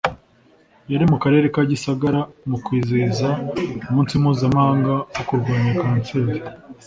yari mu Karere ka Gisagara mu kwizihiza Umunsi Mpuzamahanga wo kurwanya Kanseri